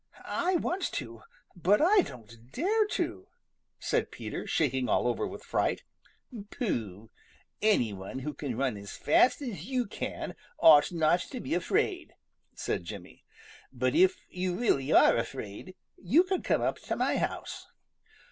"I want to, but I don't dare to," said Peter, shaking all over with fright. "Pooh! Any one who can run as fast as you can ought not to be afraid," said Jimmy. "But if you really are afraid, you can come up to my house."